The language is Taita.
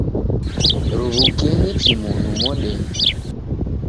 Ruw'ukenyi kimonu modenyi